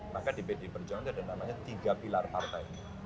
maka di pd perjuangan itu ada tiga pilar partai